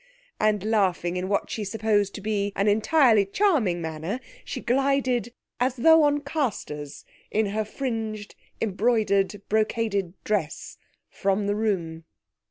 and laughing in what she supposed to be an entirely charming manner, she glided, as though on castors, in her fringed, embroidered, brocaded dress from the room.